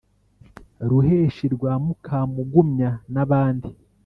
ruheshi rwa mukamugumya na bandi